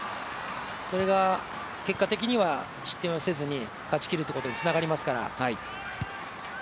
それが結果的には失点をせずに勝ちきるということにつながりますから。